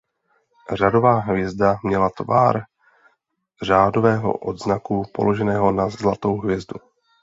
Řádová hvězda měla tvar řádového odznaku položeného na zlatou hvězdu.